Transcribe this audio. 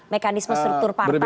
mekanisme struktur partai